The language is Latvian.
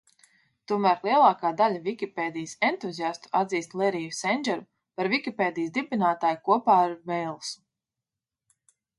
Tomēr lielākā daļa Vikipēdijas entuziastu atzīst Leriju Sendžeru par Vikipēdijas dibinātāju kopā ar Veilsu.